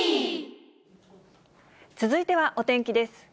続いてはお天気です。